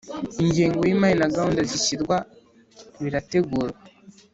Ingengo y’ imari na gahunda zishyirwa birategurwa